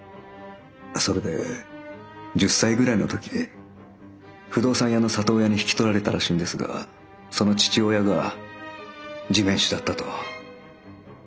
それで１０歳ぐらいの時不動産屋の里親に引き取られたらしいんですがその父親が地面師だったと。